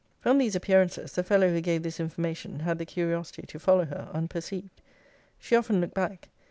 'From these appearances, the fellow who gave this information, had the curiosity to follow her, unperceived. She often looked back.